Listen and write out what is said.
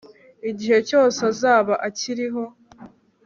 igihe cyose azaba akiriho